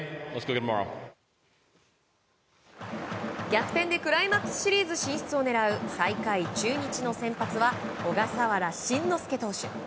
逆転でクライマックスシリーズ進出を狙う最下位、中日の先発は小笠原慎之介投手。